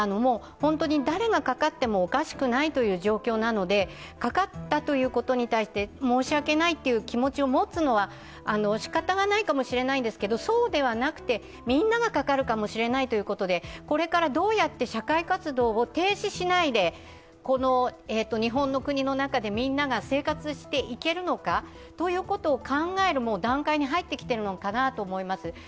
誰がかかってもおかしくないという状況なので、かかったということに対して申し訳ないという気持ちを持つのはしかたがないかもしれませんが、そうではなくてみんながかかるかもしれないということでこれからどうやって社会活動を停止しないで日本の国の中でみんなが生活していけるのかということを考える段階に入ってきてるのかなと思います。